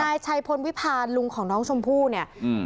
นายชัยพลวิพาลลุงของน้องชมพู่เนี่ยอืม